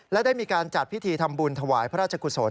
และได้มีการจัดพิธีทำบุญถวายพระราชกุศล